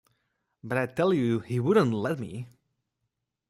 But I tell you he wouldn’t let me!